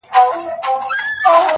له زندانه تر آزادۍ -